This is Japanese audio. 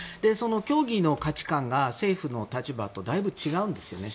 協議の価値観が政府の立場とだいぶ違うんですよね